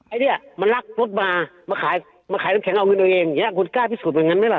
ไอ้เนี่ยมันลักรถมามาขายมาขายน้ำแข็งเอาเงินตัวเองอย่างเงี้คุณกล้าพิสูจนอย่างนั้นไหมล่ะ